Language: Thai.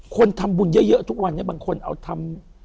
คนทำบุญเยอะทุกวันนี้บางคนเอาทำ